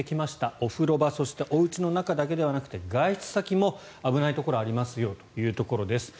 お風呂場そしておうちの中だけではなくて外出先も危ないところがありますよというところです。